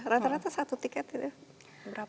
rata rata satu tiket ya